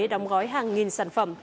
đóng gói hàng nghìn sản phẩm